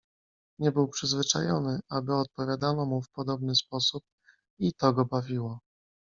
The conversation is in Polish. "Nie był przyzwyczajony, aby odpowiadano mu w podobny sposób i to go bawiło."